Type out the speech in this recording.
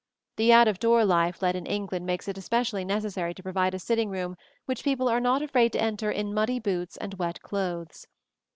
The out of door life led in England makes it specially necessary to provide a sitting room which people are not afraid to enter in muddy boots and wet clothes.